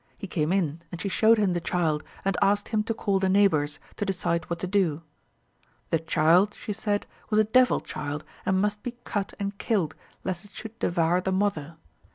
He came in, and she showed him the child, and asked him to call the neighbours, to decide what to do. The child, she said, was a devil child, and must be cut and killed, lest it should devour the mother.